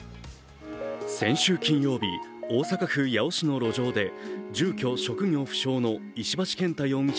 先週金曜日、大阪府八尾市の路上で住居・職業不詳の石橋健太容疑者